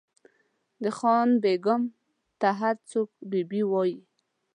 د خان بېګم ته هر څوک بي بي وایي.